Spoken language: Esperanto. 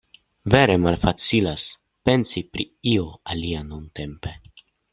Vere, malfacilas pensi pri io alia nuntempe...